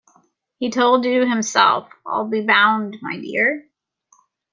He told you himself, I'll be bound, my dear?